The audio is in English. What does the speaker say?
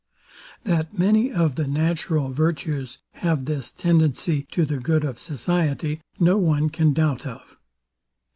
That many of the natural virtues have this tendency to the good of society, no one can doubt of.